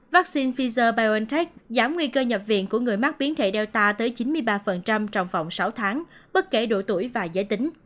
vaccine pfizer biontech giảm nguy cơ nhập viện của người mắc biến thể data tới chín mươi ba trong vòng sáu tháng bất kể độ tuổi và giới tính